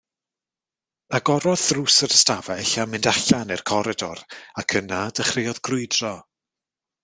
Agorodd ddrws yr ystafell a mynd allan i'r coridor, ac yna dechreuodd grwydro.